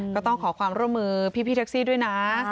ก็ต้องขอความร่วมมือพี่แท็กซี่ด้วยนะ